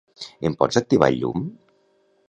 Em pots activar el llum?